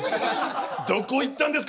どこ行ったんですか？